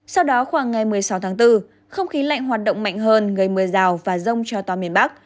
sau đó khoảng ngày một mươi sáu tháng bốn không khí lạnh hoạt động mạnh hơn gây mưa rào và rông cho toàn miền bắc